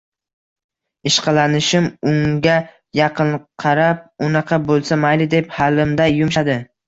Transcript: Ishqalanishim unga yoqinqirab, unaqa bo‘lsa, mayli, deb halimday yumshadi